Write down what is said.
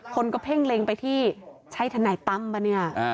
คนก็เพ่งเล็งไปที่ใช่ทนายตั้มป่ะเนี่ย